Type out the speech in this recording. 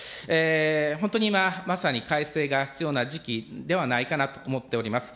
本当にまさに改正が必要な時期ではないかなと思っております。